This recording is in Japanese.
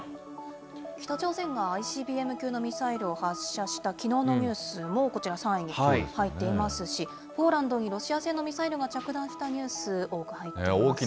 北朝鮮がＩＣＢＭ級のミサイルを発射したきのうのニュースも、こちら、３位に入っていますし、ポーランドにロシア製のミサイルが着弾したニュース、多く入っています。